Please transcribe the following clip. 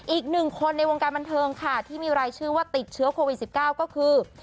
อีกหนึ่งคนในวงการบันเทิงค่ะที่มีรายชื่อว่าติดเชื้อโควิด๑๙ก็คือ